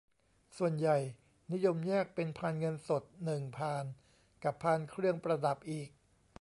ส่วนใหญ่นิยมแยกเป็นพานเงินสด หนึ่ง พาน กับพานเครื่องประดับอีก